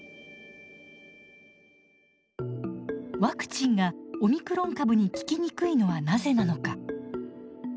ワクチンがオミクロン株に効きにくいのはなぜなのか？